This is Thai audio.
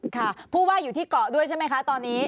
ค่ะผู้ว่าอยู่ที่เกาะด้วยใช่ไหมคะตอนนี้